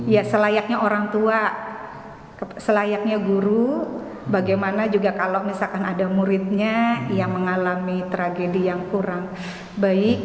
ya selayaknya orang tua selayaknya guru bagaimana juga kalau misalkan ada muridnya yang mengalami tragedi yang kurang baik